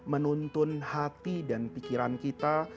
menuntun hati dan pikiran kita